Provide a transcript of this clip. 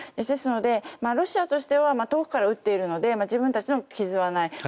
ですので、ロシアとしては遠くから撃っているので自分たちの傷はない